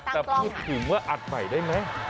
แต่พูดถึงว่าอัดใหม่ได้ไหม